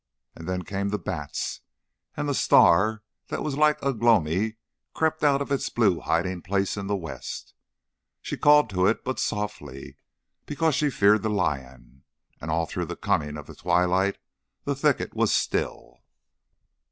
And then came the bats, and the star that was like Ugh lomi crept out of its blue hiding place in the west. She called to it, but softly, because she feared the lion. And all through the coming of the twilight the thicket was still.